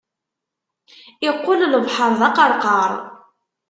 Iqqel lebḥeṛ d aqerqar.